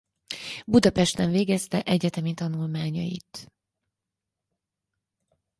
Budapesten végezte egyetemi tanulmányait.